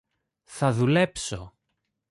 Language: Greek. Θα δουλέψω!